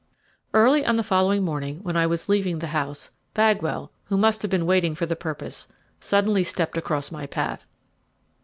Early on the following morning, when I was leaving the house, Bagwell, who must have been waiting for the purpose, suddenly stepped across my path.